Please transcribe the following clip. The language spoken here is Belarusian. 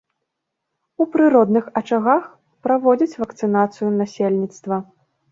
У прыродных ачагах праводзяць вакцынацыю насельніцтва.